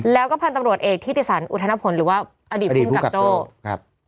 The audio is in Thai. แล้วก็พันธุ์ตำรวจเอกทิติสันอุทธนพลหรือว่าอดีตภูมิกับโจ้ครับ